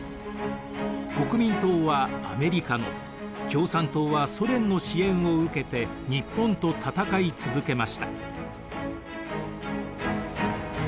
国民党はアメリカの共産党はソ連の支援を受けて日本と戦い続けました。